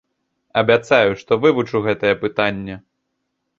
Абяцаю, што вывучу гэтае пытанне.